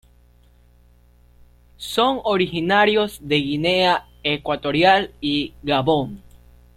Son originarios de Guinea Ecuatorial y Gabón.